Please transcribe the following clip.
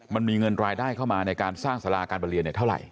มันมีเงินรายได้เข้ามาในการสร้างสาราการประเรียนเท่าไหร